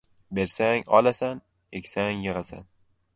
• Bersang — olasan, eksang — yig‘asan.